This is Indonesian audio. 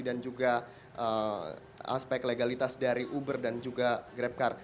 dan juga aspek legalitas dari uber dan juga grabcar